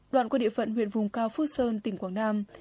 đoạn qua địa phận huyện vùng cao phước sơn tỉnh quảng nam